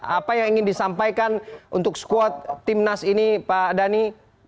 apa yang ingin disampaikan untuk squad timnas ini pak dhani